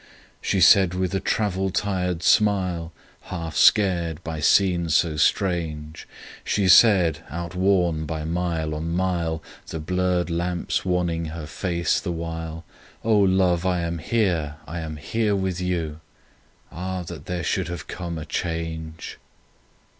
— She said with a travel tired smile, Half scared by scene so strange; She said, outworn by mile on mile, The blurred lamps wanning her face the while, "O Love, I am here; I am with you!" ... Ah, that there should have come a change!